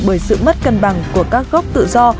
bởi sự mất cân bằng của các gốc tự do